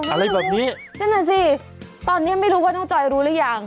อะไรแบบนี้ใช่ไหมตอนนี้ไม่รู้ว่านกจอยรู้หรือยัง